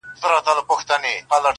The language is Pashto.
په جهان جهان غمو یې ګرفتار کړم!